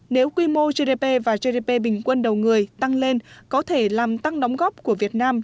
nếu quy mô gdp và gdp bình quân đầu người tăng lên có thể làm tăng đóng góp của việt nam